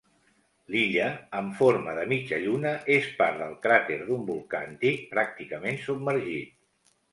L'illa, amb forma de mitja lluna, és part del cràter d'un volcà antic pràcticament submergit.